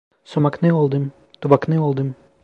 Sumakni oldim. Tuvakni oldim.